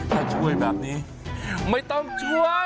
ถ้าช่วยแบบนี้ไม่ต้องช่วย